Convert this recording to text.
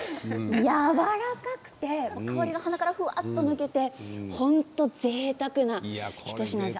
やわらかくて香りが鼻からふわっと抜けて本当にぜいたくな一品です。